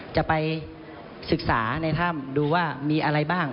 จะไปศึกษาในถ้ำดูว่ามีอะไรบ้าง